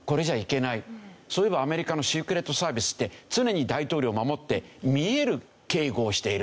そういえばアメリカのシークレットサービスって常に大統領を守って見える警護をしている。